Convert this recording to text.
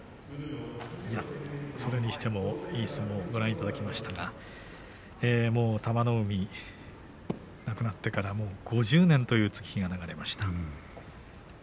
それにしてもいい相撲をご覧いただきましたがもう玉の海亡くなってから５０年という月日が流れました。